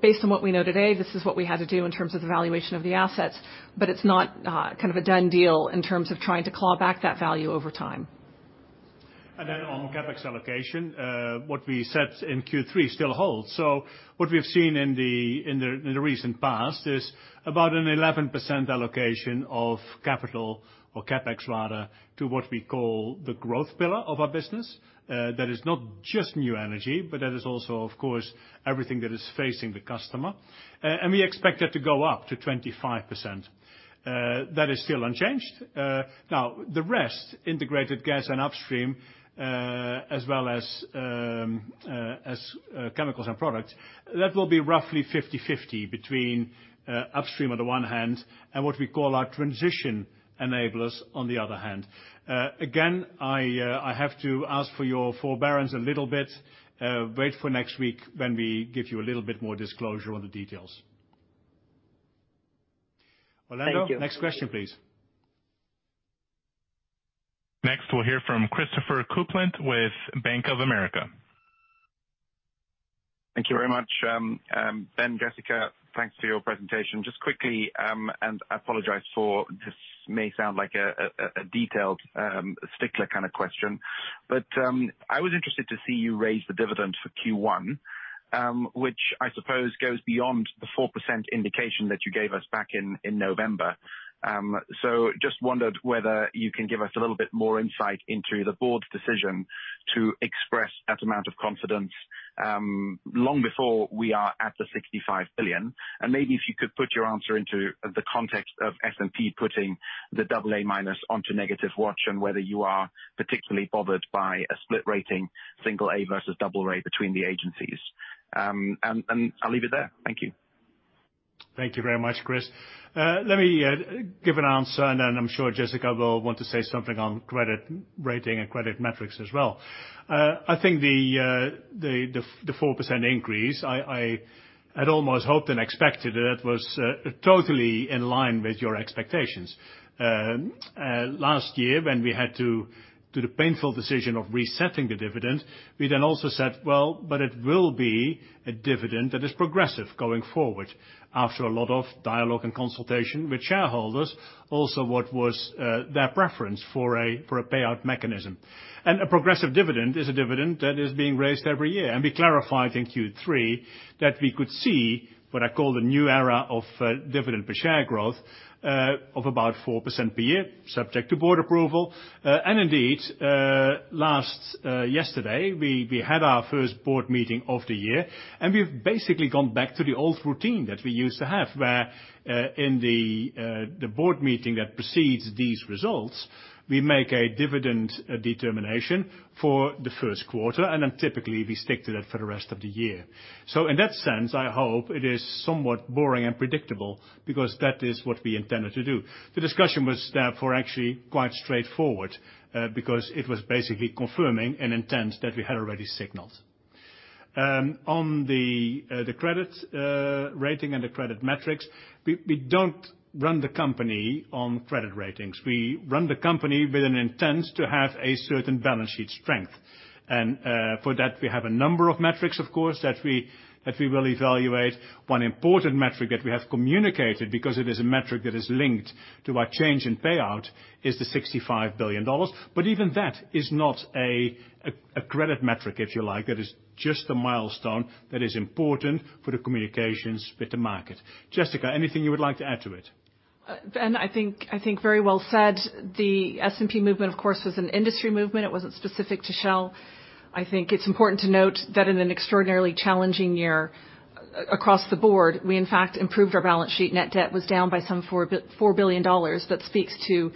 Based on what we know today, this is what we had to do in terms of evaluation of the assets. It's not kind of a done deal in terms of trying to claw back that value over time. On CapEx allocation, what we said in Q3 still holds. What we have seen in the recent past is about an 11% allocation of capital, or CapEx rather, to what we call the growth pillar of our business. That is not just new energy, but that is also, of course, everything that is facing the customer. We expect that to go up to 25%. That is still unchanged. The rest, Integrated Gas and Upstream, as well as Chemicals and Products, that will be roughly 50/50 between Upstream on the one hand, and what we call our transition enablers on the other hand. Again, I have to ask for your forbearance a little bit. Wait for next week when we give you a little bit more disclosure on the details. Thank you. Orlando, next question, please. Next, we'll hear from Christopher Kuplent with Bank of America. Thank you very much. Ben, Jessica, thanks for your presentation. Just quickly, and I apologize for this may sound like a detailed stickler kind of question, but I was interested to see you raise the dividend for Q1, which I suppose goes beyond the 4% indication that you gave us back in November. Just wondered whether you can give us a little bit more insight into the board's decision to express that amount of confidence long before we are at the $65 billion. Maybe if you could put your answer into the context of S&P putting the double A minus onto negative watch, and whether you are particularly bothered by a split rating, single A versus double A between the agencies. I'll leave it there. Thank you. Thank you very much, Chris. Let me give an answer, and I am sure Jessica will want to say something on credit rating and credit metrics as well. I think the 4% increase, I had almost hoped and expected that it was totally in line with your expectations. Last year, when we had to do the painful decision of resetting the dividend, we then also said, well, but it will be a dividend that is progressive going forward after a lot of dialogue and consultation with shareholders. Also what was their preference for a payout mechanism. A progressive dividend is a dividend that is being raised every year. We clarified in Q3 that we could see what I call the new era of dividend per share growth of about 4% per year, subject to board approval. Indeed, yesterday, we had our first board meeting of the year, and we've basically gone back to the old routine that we used to have, where in the board meeting that precedes these results, we make a dividend determination for the first quarter, and then typically we stick to that for the rest of the year. In that sense, I hope it is somewhat boring and predictable because that is what we intended to do. The discussion was therefore actually quite straightforward, because it was basically confirming an intent that we had already signaled. On the credit rating and the credit metrics, we don't run the company on credit ratings. We run the company with an intent to have a certain balance sheet strength. For that, we have a number of metrics, of course, that we will evaluate. One important metric that we have communicated, because it is a metric that is linked to our change in payout, is the $65 billion. Even that is not a credit metric, if you like. That is just the milestone that is important for the communications with the market. Jessica, anything you would like to add to it? Ben, I think very well said. The S&P movement, of course, was an industry movement. It wasn't specific to Shell. I think it's important to note that in an extraordinarily challenging year across the board, we in fact improved our balance sheet. Net debt was down by some $4 billion. That speaks to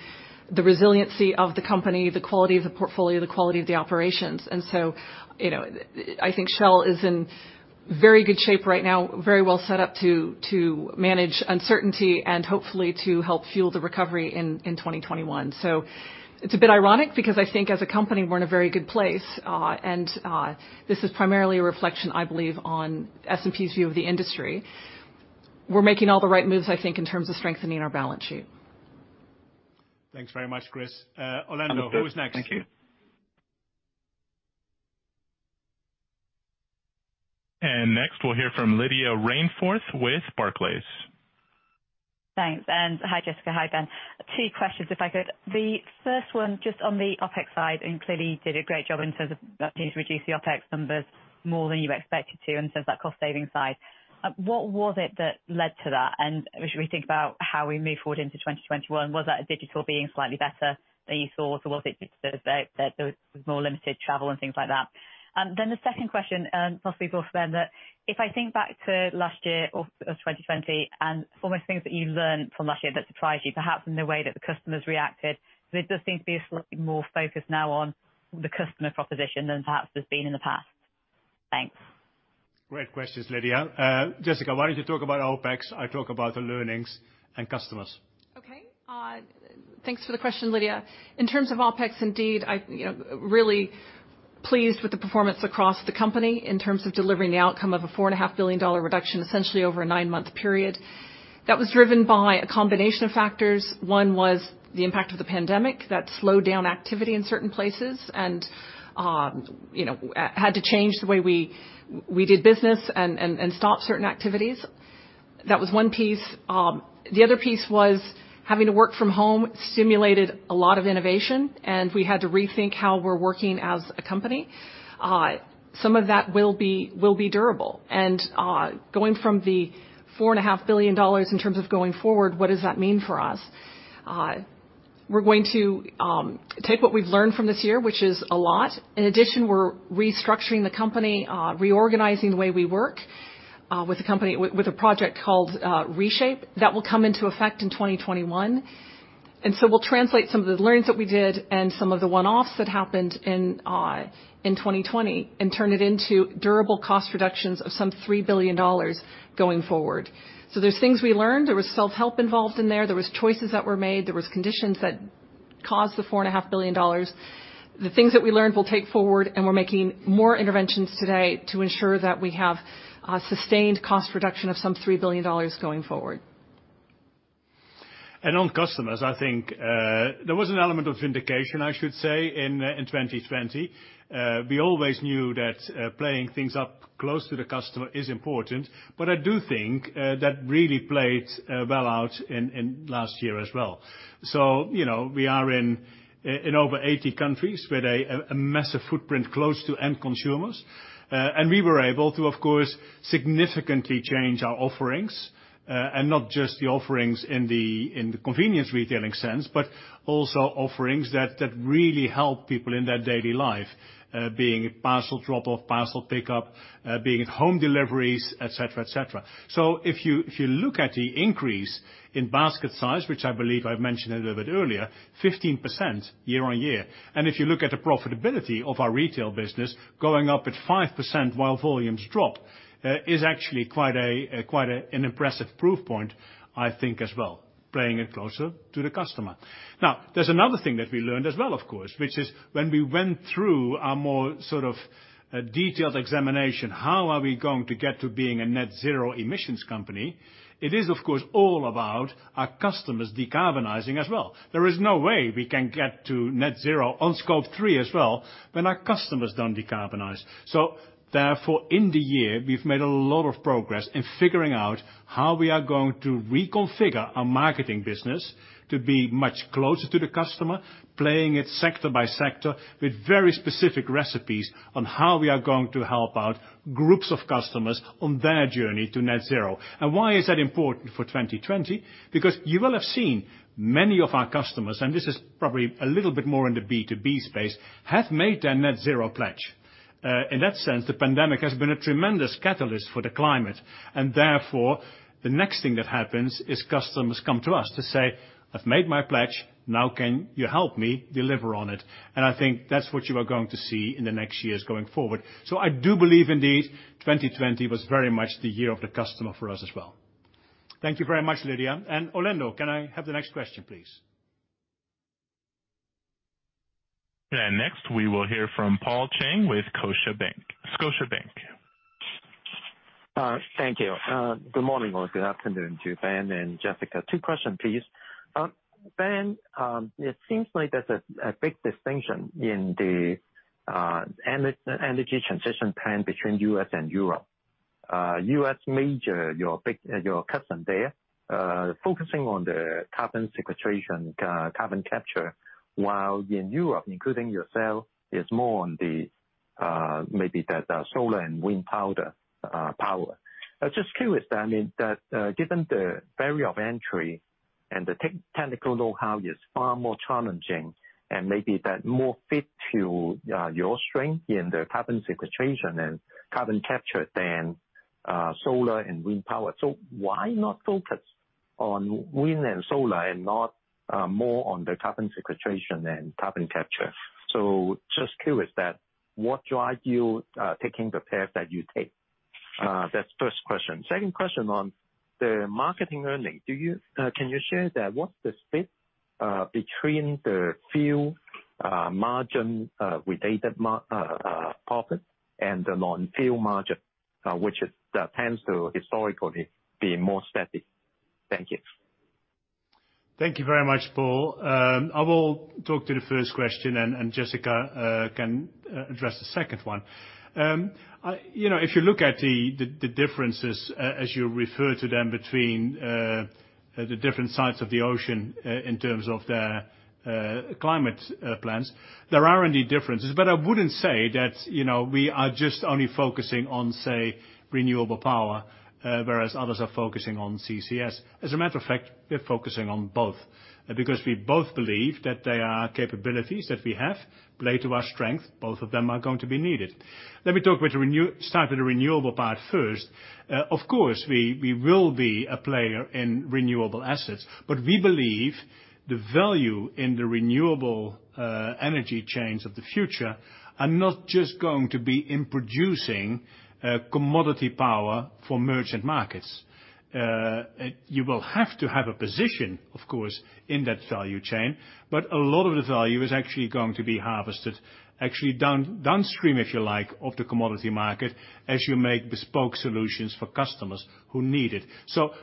the resiliency of the company, the quality of the portfolio, the quality of the operations. I think Shell is in very good shape right now, very well set up to manage uncertainty and hopefully to help fuel the recovery in 2021. It's a bit ironic because I think as a company, we're in a very good place. This is primarily a reflection, I believe, on S&P's view of the industry. We're making all the right moves, I think, in terms of strengthening our balance sheet. Thanks very much, Chris. Orlando, who is next? Thank you. Next we'll hear from Lydia Rainforth with Barclays. Thanks. Hi, Jessica. Hi, Ben. Two questions, if I could. The first one, just on the OpEx side, and clearly you did a great job in terms of continuing to reduce the OpEx numbers more than you expected to in terms of that cost-saving side. What was it that led to that? We should think about how we move forward into 2021, was that digital being slightly better than you thought, or was it just that there was more limited travel and things like that? The second question, possibly for Ben, if I think back to last year of 2020 and almost things that you learned from last year that surprised you, perhaps in the way that the customers reacted. There does seem to be a slightly more focus now on the customer proposition than perhaps there's been in the past. Thanks. Great questions, Lydia. Jessica, why don't you talk about OpEx, I talk about the learnings and customers. Okay. Thanks for the question, Lydia. In terms of OpEx, indeed, really pleased with the performance across the company in terms of delivering the outcome of a $4.5 billion reduction, essentially over a nine-month period. That was driven by a combination of factors. One was the impact of the pandemic that slowed down activity in certain places, and had to change the way we did business and stop certain activities. That was one piece. The other piece was having to work from home stimulated a lot of innovation, and we had to rethink how we're working as a company. Some of that will be durable. Going from the $4.5 billion in terms of going forward, what does that mean for us? We're going to take what we've learned from this year, which is a lot. We're restructuring the company, reorganizing the way we work with a project called Reshape. That will come into effect in 2021. We'll translate some of the learnings that we did and some of the one-offs that happened in 2020 and turn it into durable cost reductions of some $3 billion going forward. There's things we learned. There was self-help involved in there. There was choices that were made. There was conditions that caused the $4.5 billion. The things that we learned, we'll take forward, and we're making more interventions today to ensure that we have a sustained cost reduction of some $3 billion going forward. On customers, I think, there was an element of vindication, I should say, in 2020. We always knew that playing things up close to the customer is important. I do think that really played well out in last year as well. We are in over 80 countries with a massive footprint close to end consumers. We were able to, of course, significantly change our offerings. Not just the offerings in the convenience retailing sense, but also offerings that really help people in their daily life. Being parcel drop-off, parcel pickup, being home deliveries, et cetera. If you look at the increase in basket size, which I believe I've mentioned a little bit earlier, 15% year-on-year. If you look at the profitability of our retail business, going up at 5% while volumes drop, is actually quite an impressive proof point, I think as well, playing it closer to the customer. There's another thing that we learned as well, of course, which is when we went through our more detailed examination, how are we going to get to being a net zero emissions company? It is, of course, all about our customers decarbonizing as well. There is no way we can get to net zero on Scope 3 as well when our customers don't decarbonize. Therefore, in the year, we've made a lot of progress in figuring out how we are going to reconfigure our marketing business to be much closer to the customer, playing it sector by sector with very specific recipes on how we are going to help out groups of customers on their journey to net zero. Why is that important for 2020? Because you will have seen many of our customers, and this is probably a little bit more in the B2B space, have made their net zero pledge. In that sense, the pandemic has been a tremendous catalyst for the climate. Therefore, the next thing that happens is customers come to us to say, "I've made my pledge. Now can you help me deliver on it?" I think that's what you are going to see in the next years going forward. I do believe, indeed, 2020 was very much the year of the customer for us as well. Thank you very much, Lydia. Orlando, can I have the next question, please? Next, we will hear from Paul Cheng with Scotiabank. Thank you. Good morning, or good afternoon to Ben and Jessica. Two question, please. Ben, it seems like there's a big distinction in the energy transition plan between U.S. and Europe. U.S. major, your big customer there, focusing on the carbon sequestration, carbon capture, while in Europe, including yourself, it's more on the maybe the solar and wind power. I was just curious then that, given the barrier of entry and the technical knowhow is far more challenging and maybe that more fit to your strength in the carbon sequestration and carbon capture than solar and wind power. Why not focus on wind and solar and not more on the carbon sequestration and carbon capture? Just curious that what drives you taking the path that you take? That's first question. Second question on the marketing earnings. Can you share that? What's the split between the fuel margin-related profit and the non-fuel margin, which tends to historically be more steady? Thank you. Thank you very much, Paul. I will talk to the first question, and Jessica can address the second one. If you look at the differences, as you refer to them between the different sides of the ocean in terms of their climate plans, there are indeed differences. I wouldn't say that we are just only focusing on, say, renewable power, whereas others are focusing on CCS. As a matter of fact, we're focusing on both. We both believe that they are capabilities that we have, play to our strength. Both of them are going to be needed. Let me start with the renewable part first. Of course, we will be a player in renewable assets, but we believe the value in the renewable energy chains of the future are not just going to be in producing commodity power for merchant markets. You will have to have a position, of course, in that value chain, a lot of the value is actually going to be harvested, actually downstream, if you like, of the commodity market as you make bespoke solutions for customers who need it.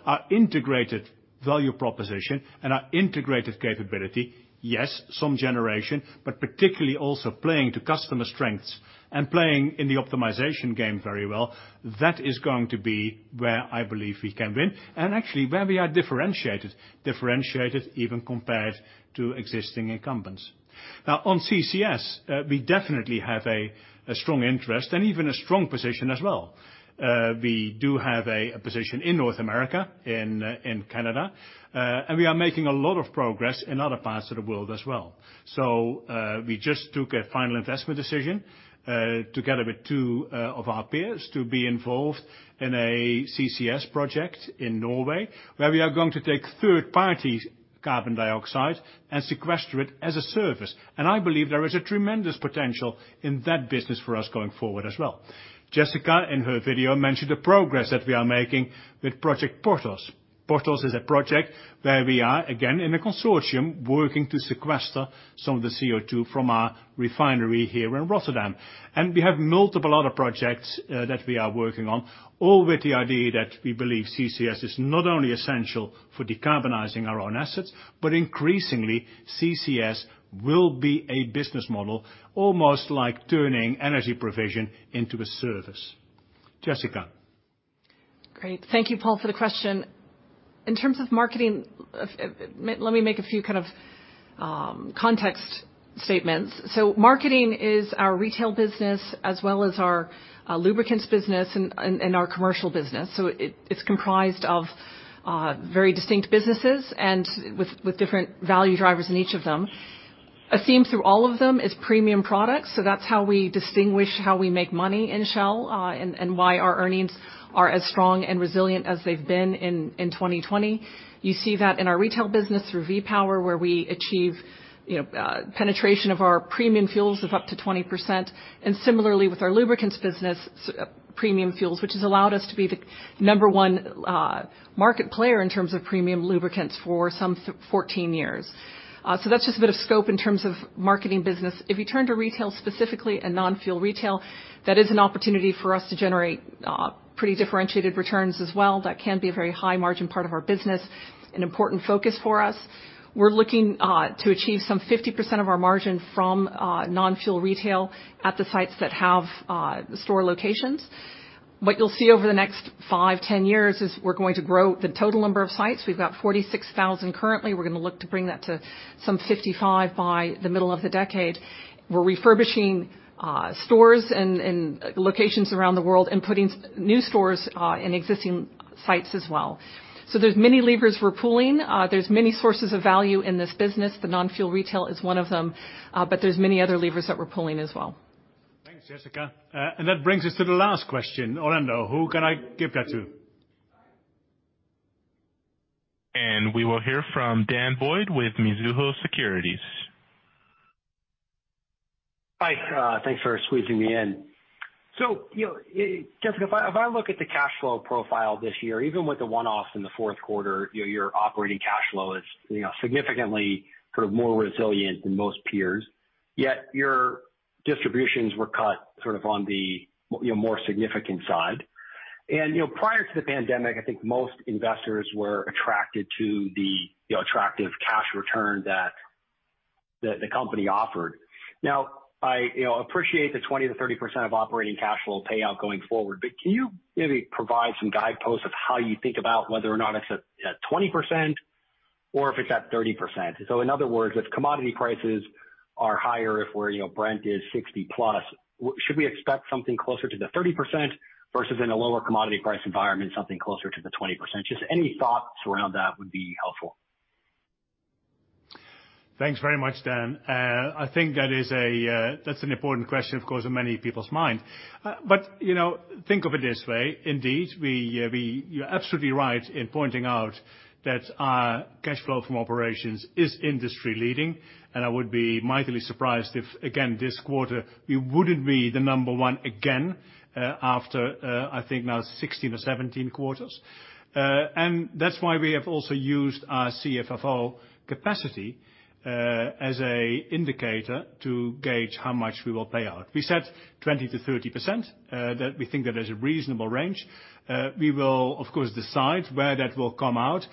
Our integrated value proposition and our integrated capability, yes, some generation, but particularly also playing to customer strengths and playing in the optimization game very well, that is going to be where I believe we can win. Actually where we are differentiated even compared to existing incumbents. Now, on CCS, we definitely have a strong interest and even a strong position as well. We do have a position in North America, in Canada, we are making a lot of progress in other parts of the world as well. We just took a final investment decision, together with two of our peers, to be involved in a CCS project in Norway, where we are going to take third parties' carbon dioxide and sequester it as a service. I believe there is a tremendous potential in that business for us going forward as well. Jessica, in her video, mentioned the progress that we are making with Project Porthos. Porthos is a project where we are, again, in a consortium working to sequester some of the CO2 from our refinery here in Rotterdam. We have multiple other projects that we are working on, all with the idea that we believe CCS is not only essential for decarbonizing our own assets, but increasingly, CCS will be a business model, almost like turning energy provision into a service. Jessica Great. Thank you, Paul, for the question. In terms of marketing, let me make a few kind of context statements. Marketing is our retail business as well as our lubricants business and our commercial business. It's comprised of very distinct businesses and with different value drivers in each of them. A theme through all of them is premium products. That's how we distinguish how we make money in Shell, and why our earnings are as strong and resilient as they've been in 2020. You see that in our retail business through V-Power, where we achieve penetration of our premium fuels of up to 20%. Similarly with our lubricants business, premium fuels, which has allowed us to be the number one market player in terms of premium lubricants for some 14 years. That's just a bit of scope in terms of marketing business. If you turn to retail specifically and non-fuel retail, that is an opportunity for us to generate pretty differentiated returns as well. That can be a very high margin part of our business, an important focus for us. We're looking to achieve some 50% of our margin from non-fuel retail at the sites that have store locations. What you'll see over the next five, 10 years is we're going to grow the total number of sites. We've got 46,000 currently. We're going to look to bring that to some 55 by the middle of the decade. We're refurbishing stores in locations around the world and putting new stores in existing sites as well. So there's many levers we're pulling. There's many sources of value in this business. The non-fuel retail is one of them, but there's many other levers that we're pulling as well. Thanks, Jessica. That brings us to the last question. Orlando, who can I give that to? We will hear from Dan Boyd with Mizuho Securities. Hi. Thanks for squeezing me in. Jessica, if I look at the cash flow profile this year, even with the one-offs in the fourth quarter, your operating cash flow is significantly more resilient than most peers. Yet your distributions were cut sort of on the more significant side. Prior to the pandemic, I think most investors were attracted to the attractive cash return that the company offered. I appreciate the 20%-30% of operating cash flow payout going forward, but can you maybe provide some guideposts of how you think about whether or not it's at 20% or if it's at 30%? In other words, if commodity prices are higher, if Brent is $60+, should we expect something closer to the 30% versus in a lower commodity price environment something closer to the 20%? Just any thoughts around that would be helpful. Thanks very much, Dan. I think that's an important question, of course, on many people's mind. Think of it this way. Indeed, you're absolutely right in pointing out that our cash flow from operations is industry leading, and I would be mightily surprised if, again, this quarter we wouldn't be the number one again after I think now 16 or 17 quarters. That's why we have also used our CFFO capacity as a indicator to gauge how much we will pay out. We said 20%-30%, that we think that is a reasonable range. We will, of course, decide where that will come out,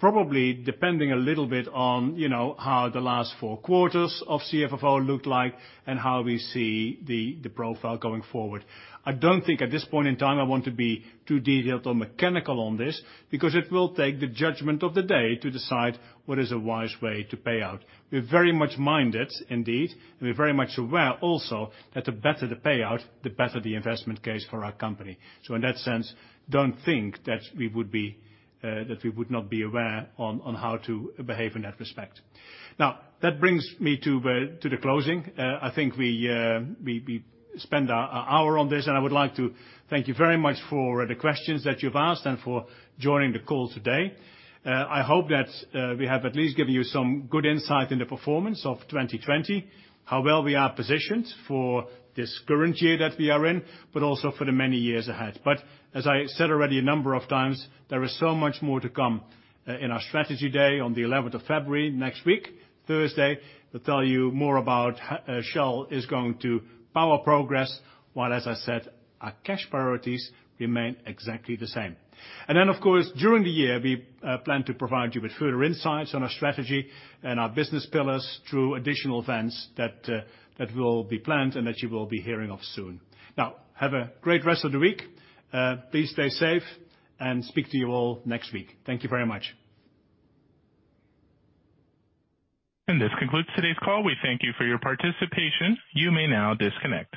probably depending a little bit on how the last four quarters of CFFO looked like and how we see the profile going forward. I don't think at this point in time I want to be too detailed or mechanical on this because it will take the judgment of the day to decide what is a wise way to pay out. We're very much minded, indeed, and we're very much aware also that the better the payout, the better the investment case for our company. In that sense, don't think that we would not be aware on how to behave in that respect. That brings me to the closing. I think we spent an hour on this, and I would like to thank you very much for the questions that you've asked and for joining the call today. I hope that we have at least given you some good insight in the performance of 2020, how well we are positioned for this current year that we are in, but also for the many years ahead. As I said already a number of times, there is so much more to come in our strategy day on the 11th of February next week, Thursday. We'll tell you more about how Shell is going to power progress, while, as I said, our cash priorities remain exactly the same. Of course, during the year, we plan to provide you with further insights on our strategy and our business pillars through additional events that will be planned and that you will be hearing of soon. Have a great rest of the week. Please stay safe and speak to you all next week. Thank you very much. This concludes today's call. We thank you for your participation. You may now disconnect.